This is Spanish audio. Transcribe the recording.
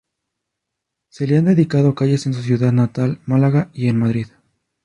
Se le han dedicado calles en su ciudad natal, Málaga, y en Madrid.